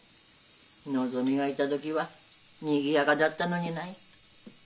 のぞみがいた時はにぎやかだったのにない。